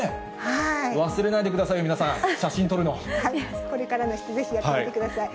忘れないでくださいよ、これからの人、ぜひやってみてください。